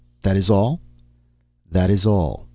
That is all?" "That is all.